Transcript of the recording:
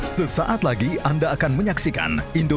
selamat pagi ibu ibu